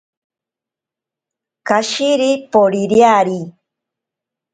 Kashiri poririari.